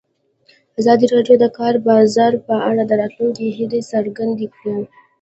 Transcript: ازادي راډیو د د کار بازار په اړه د راتلونکي هیلې څرګندې کړې.